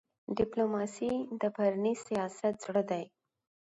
ډيپلوماسي د بهرني سیاست زړه دی.